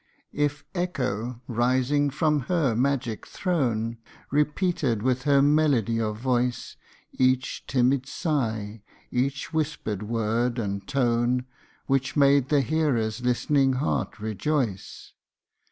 185 If echo, rising from her magic throne, Repeated with her melody of voice Each timid sigh each whispered word and tone, Which made the hearer's listening heart rejoice.